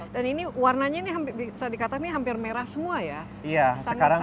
dan ini warnanya bisa dikatakan hampir merah semua ya